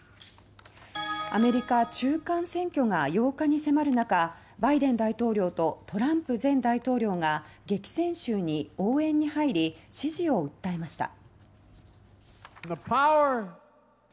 アメリカ中間選挙が８日に迫る中バイデン大統領とトランプ前大統領が激戦州に応援に入り支持を訴えました。